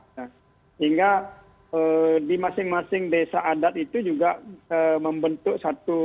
sehingga di masing masing desa adat itu juga membentuk satu